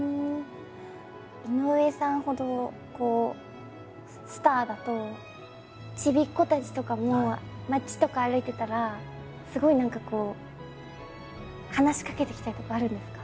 井上さんほどスターだとちびっこたちとかも街とか歩いてたらすごい何かこう話しかけてきたりとかあるんですか？